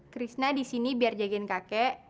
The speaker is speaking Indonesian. krisna disini biar jagain kakek